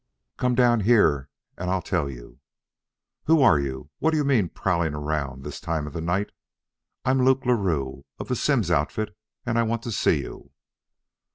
"Come down here and I'll tell you." "Who are you? What do you mean prowling around this time of the night?" "I'm Luke Larue, of the Simms's outfit, and I want to see you."